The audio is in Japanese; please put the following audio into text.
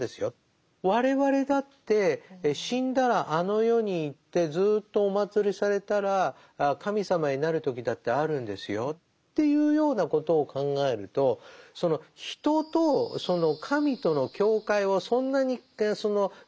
我々だって死んだらあの世に行ってずっとお祀りされたら神様になる時だってあるんですよっていうようなことを考えるとそのということを言ってるわけですよね。